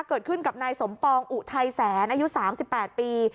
เกิดขึ้นกับนายสมปองอุไทแสนอายุสามสิบแปดปี